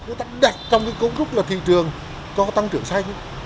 người ta đặt trong cái cấu trúc là thị trường cho tăng trưởng xanh